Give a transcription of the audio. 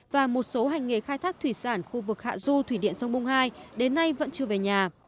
và một số hành nghề khai thác thủy sản khu vực hạ du thủy điện sông bung hai đến nay vẫn chưa về nhà